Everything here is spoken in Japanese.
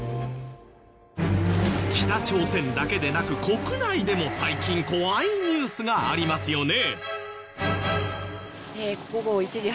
北朝鮮だけでなく国内でも最近怖いニュースがありますよね。